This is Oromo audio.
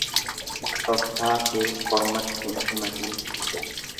Dhoksaa kee ormatti hin himatiin.